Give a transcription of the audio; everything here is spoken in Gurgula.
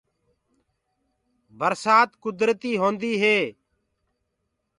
برسآت کُدرتي هوندي هي۔